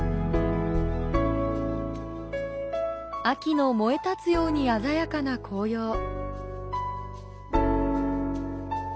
秋の燃え立つように鮮やかな紅葉。